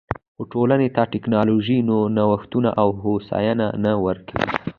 خو ټولنې ته ټکنالوژیکي نوښتونه او هوساینه نه ورکوي